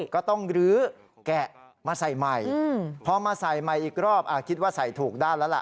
ก็ต้องลื้อแกะมาใส่ใหม่พอมาใส่ใหม่อีกรอบคิดว่าใส่ถูกด้านแล้วล่ะ